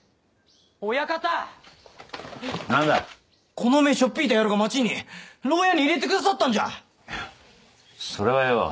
この前しょっ引いた野郎が町に牢屋に入れてくださったんじゃそれはよ